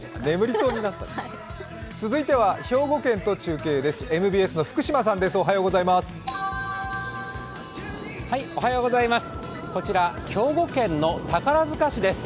続いては兵庫県と中継です。